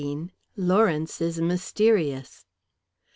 LAWRENCE IS MYSTERIOUS.